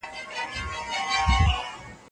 تاسو کله د ملي هندارې کتاب لوستی دی؟